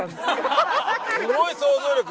すごい想像力！